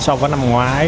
so với năm ngoái